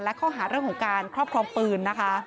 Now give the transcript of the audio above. และข้อหารึ่งของการครอบพร้อมปืน